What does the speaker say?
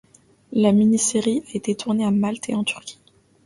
La mini-série a été tournée à Malte et en Turquie.